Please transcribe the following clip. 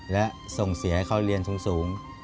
และส่งเสียให้เขาเรียนสูง